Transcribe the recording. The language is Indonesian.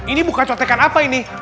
ini bukan cotekan apa ini